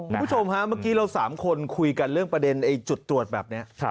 คุณผู้ชมฮะเมื่อกี้เรา๓คนคุยกันเรื่องประเด็นจุดตรวจแบบนี้